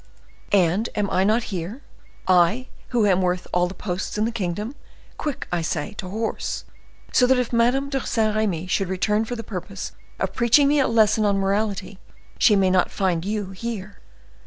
"And am I not here—I, who am worth all the posts in the kingdom? Quick, I say, to horse! so that if Madame de Saint Remy should return for the purpose of preaching me a lesson on morality, she may not find you here."